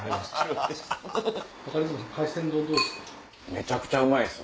めちゃくちゃうまいです！